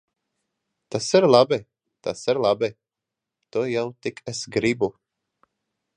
Tas ir labi! Tas ir labi! To jau tik es gribu.